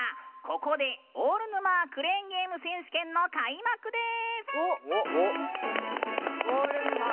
ここで「オールヌマークレーンゲーム選手権」の開幕です！